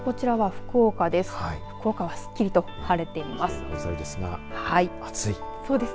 福岡はすっきりと晴れています。